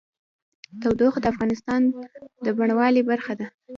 تودوخه د افغانستان د بڼوالۍ برخه ده.